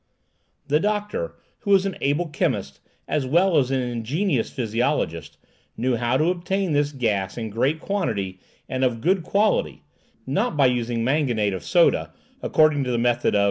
The doctor, who was an able chemist as well as an ingenious physiologist, knew how to obtain this gas in great quantity and of good quality, not by using manganate of soda, according to the method of M.